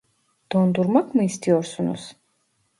Dondurmak mı istiyorsunuz ?